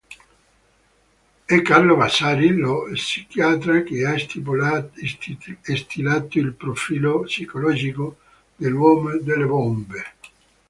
È Carlo Vasari, lo psichiatra che ha stilato il profilo psicologico dell'uomo delle bombe.